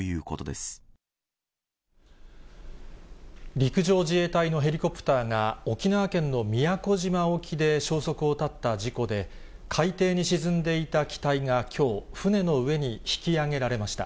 陸上自衛隊のヘリコプターが沖縄県の宮古島沖で消息を絶った事故で、海底に沈んでいた機体がきょう、船の上に引き揚げられました。